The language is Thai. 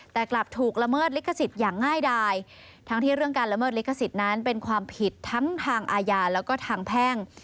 แต่กลับถูกละเมิดลิขสิทธิ์อย่างง่ายดายทั้งที่เรื่องการละเมิดลิขสิทธิ์นั้นเป็นความผิดทั้งทางอาญาแล้วก็ทางแพ่ง